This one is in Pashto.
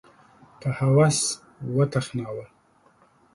په هوس وتخناوه